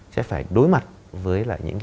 sẽ phải đối mặt với là những cái